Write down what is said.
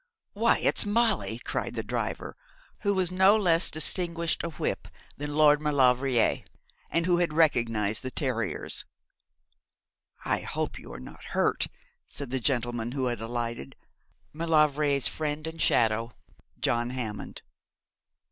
'Why, it's Molly!' cried the driver, who was no less distinguished a whip than Lord Maulevrier, and who had recognised the terriers. 'I hope you are not hurt,' said the gentleman who had alighted, Maulevrier's friend and shadow, John Hammond.